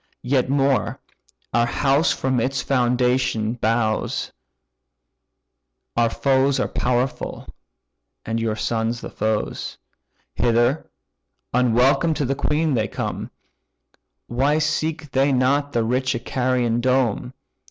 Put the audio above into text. Yet more; our house from its foundation bows, Our foes are powerful, and your sons the foes; Hither, unwelcome to the queen, they come; Why seek they not the rich Icarian dome?